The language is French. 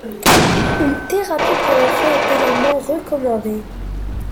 Une thérapie pour l’enfant est également recommandée.